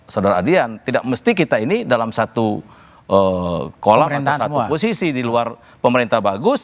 saudara adian tidak mesti kita ini dalam satu kolam atau satu posisi di luar pemerintah bagus